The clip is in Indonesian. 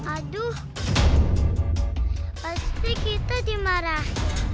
aduh pasti kita dimarah